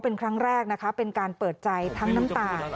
เป็นครั้งแรกนะคะเป็นการเปิดใจทั้งน้ำตา